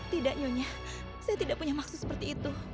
tidak nyonya saya tidak punya maksud seperti itu